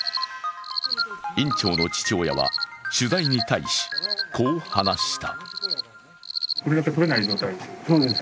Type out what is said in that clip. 院長の父親は取材に対し、こう話した。